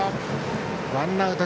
ワンアウト